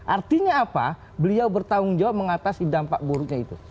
artinya apa beliau bertanggung jawab mengatasi dampak buruknya itu